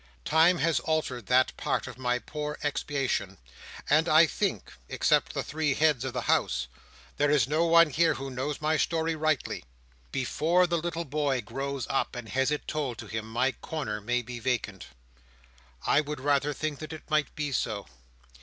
Time has altered that part of my poor expiation; and I think, except the three heads of the House, there is no one here who knows my story rightly. Before the little boy grows up, and has it told to him, my corner may be vacant. I would rather that it might be so!